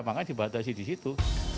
makanya dibatasi di situ